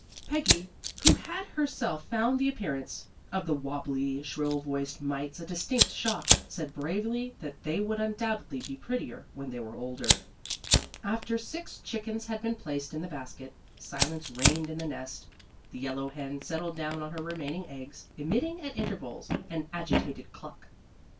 Peggy, who had herself found the appearance of the wobbly, shrill voiced mites a distinct shock, said bravely that they would undoubtedly be prettier when they were older. After six chickens had been placed in the basket, silence reigned in the nest. The yellow hen settled down on her remaining eggs, emitting, at intervals, an agitated cluck.